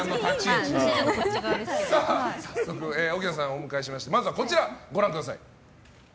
早速、奥菜さんをお迎えしましてまずは、こちらをご覧ください。